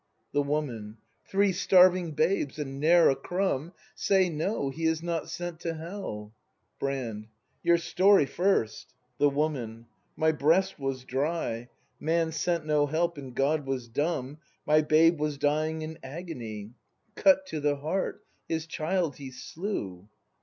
The Woman. Three starving babes, and ne'er a crumb, Say no, — he is not sent to hell! Brand. Your story first. The Woman. My breast was dry; Man sent no help, and God was dumb; My babe was dying in agony; Cut to the heart, — his child he slew!